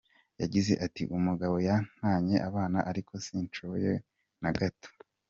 Yagize ati “Umugabo yantanye abana ariko sinishoboye na gato.